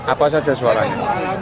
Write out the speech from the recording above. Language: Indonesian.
apa saja suaranya